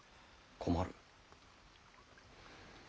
困る。